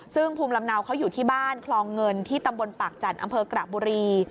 ซึ่งภูมิลำเนาเขาอยู่ที่บ้านคลองเงินที่ตำบลปากจันทร์อำเภอกระบุรี